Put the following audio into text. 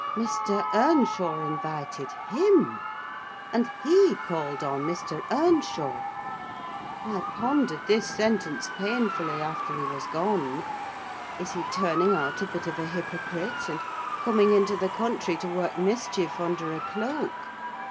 Mr. Earnshaw invited him! and he called on Mr. Earnshaw! I pondered this sentence painfully, after he was gone. Is he turning out a bit of a hypocrite, and coming into the country to work mischief under a cloak?